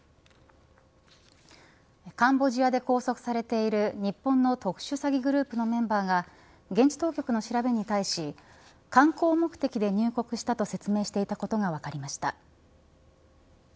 カンボジアで拘束されている日本の特殊詐欺グループのメンバーが現地当局の調べに対し観光目的で入国したと説明していたことが分かりました。